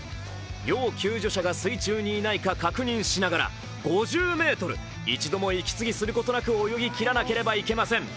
要救助者が水中にいないか確認しながら５０ｍ、一度も息継ぎすることなく泳ぎ切らなければいけません。